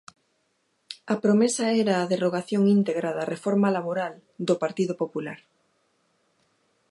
A promesa era a derrogación íntegra da reforma laboral do Partido Popular.